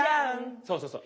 そうそうそう。